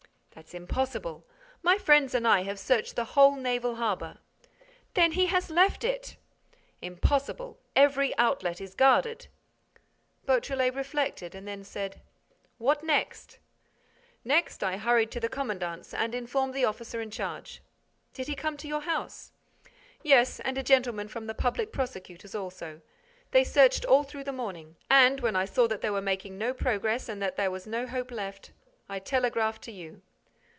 "That's impossible! My friends and I have searched the whole naval harbor." "Then he has left it!" "Impossible, every outlet is guarded!" Beautrelet reflected and then said: "What next?" "Next, I hurried to the commandant's and informed the officer in charge." "Did he come to your house?" "Yes; and a gentleman from the public prosecutor's also. They searched all through the morning; and, when I saw that they were making no progress and that there was no hope left, I telegraphed to you."